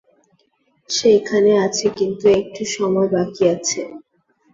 সে এখনো আছে কিন্তু একটু সময় বাকি আছে।